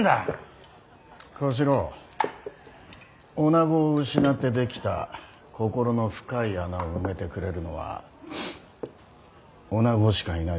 女子を失って出来た心の深い穴を埋めてくれるのは女子しかいないぜ。